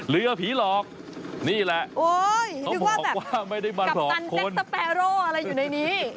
เรือผีหลอกนี่แหละโอ้ยนึกว่าแบบว่ากัปตันเต็กสแปโร่อะไรอยู่ในนี้